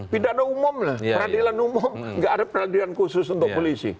pidana umum lah peradilan umum nggak ada peradilan khusus untuk polisi